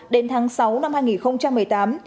đến tháng sáu năm hai nghìn một mươi tám